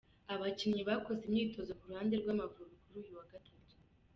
Abakinnyi bakoze imyitozo ku ruhande rw’Amavubi kuri uyu wa gatatu :